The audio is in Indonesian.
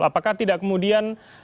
apakah tidak kemudian